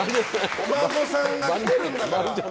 お孫さんが見てるんだから！